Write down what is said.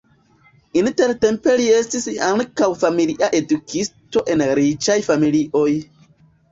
Intertempe li estis ankaŭ familia edukisto en riĉaj familioj.